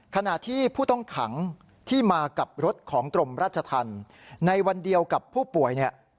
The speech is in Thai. ขณะที่ผู้ต้องขังที่มากับรถของกรมราชธรรมในวันเดียวกับผู้ป่วยเนี่ย